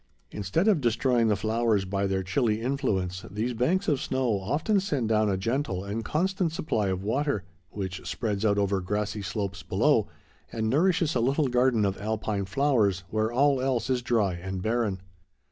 Instead of destroying the flowers by their chilly influence, these banks of snow often send down a gentle and constant supply of water, which spreads out over grassy slopes below, and nourishes a little garden of Alpine flowers, where all else is dry and barren.